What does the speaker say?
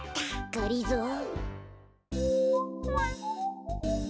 がりぞー。